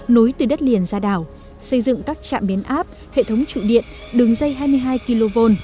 nối từ đất liền ra đảo xây dựng các trạm biến áp hệ thống trụ điện đường dây hai mươi hai kv